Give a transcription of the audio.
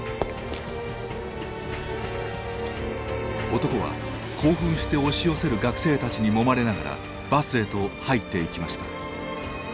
男は興奮して押し寄せる学生たちにもまれながらバスへと入っていきました。